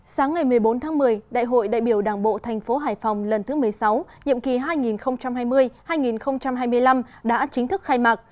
sáng ngày một mươi bốn tháng một mươi đại hội đại biểu đảng bộ thành phố hải phòng lần thứ một mươi sáu nhiệm kỳ hai nghìn hai mươi hai nghìn hai mươi năm đã chính thức khai mạc